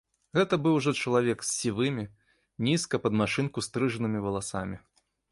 Гэта быў ужо чалавек з сівымі, нізка, пад машынку стрыжанымі валасамі.